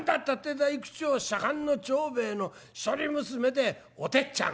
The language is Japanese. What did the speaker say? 大工町左官の長兵衛の一人娘でおてっちゃん。